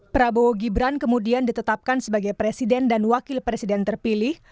prabowo gibran kemudian ditetapkan sebagai presiden dan wakil presiden terpilih